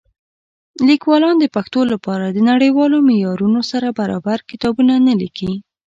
لیکوالان د پښتو لپاره د نړیوالو معیارونو سره برابر کتابونه نه لیکي.